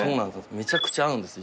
めちゃくちゃ合うんですよ